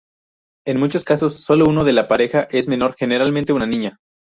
En muchos casos, solo uno de la pareja es menor, generalmente una niña.